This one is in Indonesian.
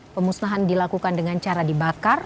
pemusnahan dilakukan dengan cara dibakar